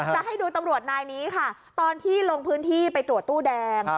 จะให้ดูตำรวจนายนี้ค่ะตอนที่ลงพื้นที่ไปตรวจตู้แดง